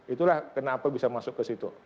itulah kenapa bisa masuk ke situ